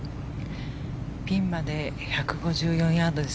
ピンまで１５４ヤード。